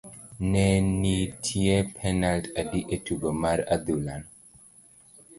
Ne nitie penalt adi e tugo mar adhula no?